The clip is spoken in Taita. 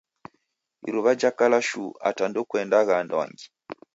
Iruw'a jakala shuu ata ndekuendagha anduangi